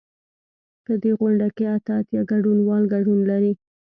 په دې غونډه کې اته اتیا ګډونوال ګډون لري.